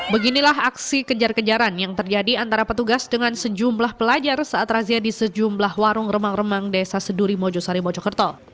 beginilah aksi kejar kejaran yang terjadi antara petugas dengan sejumlah pelajar saat razia di sejumlah warung remang remang desa seduri mojosari mojokerto